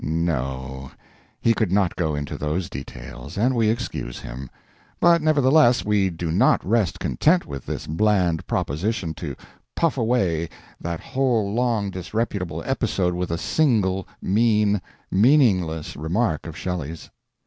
No, he could not go into those details, and we excuse him; but, nevertheless, we do not rest content with this bland proposition to puff away that whole long disreputable episode with a single mean, meaningless remark of Shelley's.